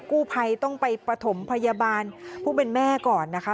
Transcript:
กู้ภัยต้องไปปฐมพยาบาลผู้เป็นแม่ก่อนนะคะ